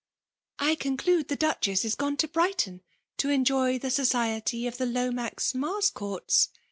:»' ''I conclude the I>uchcs8isgonetoBrigh* ton to ei^y the society of the Lomax Mars courts?"